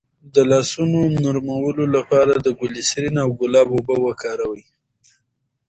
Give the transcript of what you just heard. د لاسونو نرمولو لپاره د ګلسرین او ګلاب اوبه وکاروئ